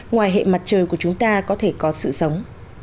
ngoài hệ mặt trời của chúng ta có thể có sự sống